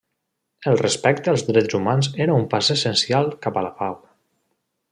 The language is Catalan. El respecte als drets humans era un pas essencial cap a la pau.